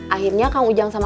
akhirnya kang ujang selesai